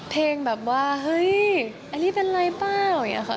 เพลงแบบว่าเฮ้ยอันนี้เป็นไรเปล่าอย่างนี้ค่ะ